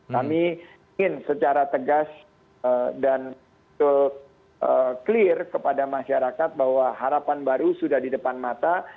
kami ingin secara tegas dan betul clear kepada masyarakat bahwa harapan baru sudah di depan mata